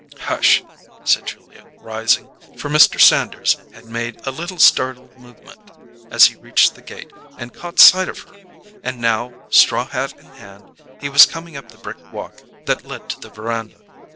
"Hush!" said Julia, rising, for Mr. Sanders had made a little startled movement as he reached the gate and caught sight of her; and now, straw hat in hand, he was coming up the brick walk that led to the veranda.